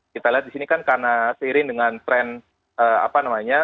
kita lihat di sini kan karena seiring dengan tren apa namanya